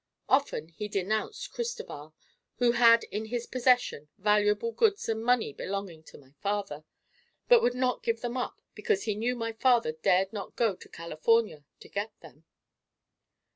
Often he denounced Cristoval, who had in his possession valuable goods and money belonging to my father but would not give them up because he knew my father dared not go to California to get them.